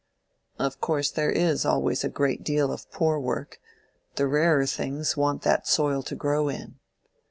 "Of course there is always a great deal of poor work: the rarer things want that soil to grow in."